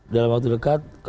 dalam waktu dekat